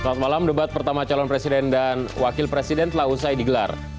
selamat malam debat pertama calon presiden dan wakil presiden telah usai digelar